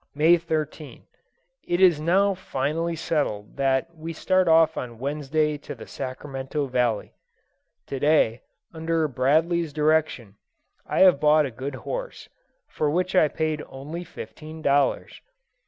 May 13. It is now finally settled that we start off on Wednesday to the Sacramento Valley. To day, under Bradley's direction, I have bought a good horse, for which I paid only fifteen dollars.